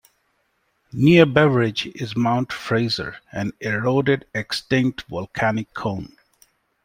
Near Beveridge is Mount Fraser, an eroded extinct volcanic cone.